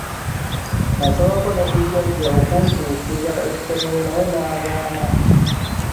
Nasabako ne ku jjajja okunkyusiza essomero naye n'agaana.